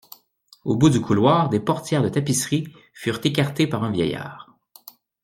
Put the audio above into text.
Au bout du couloir, des portières de tapisseries furent écartées par un vieillard.